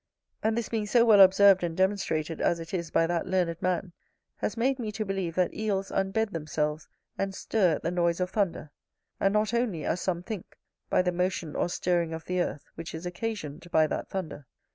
And this being so well observed and demonstrated as it is by that learned man, has made me to believe that Eels unbed themselves and stir at the noise of thunder, and not only, as some think, by the motion or stirring of the earth which is occasioned by that thunder.